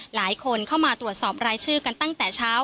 หลายคนเข้ามาตรวจสอบรายชื่อกันตั้งแต่เช้า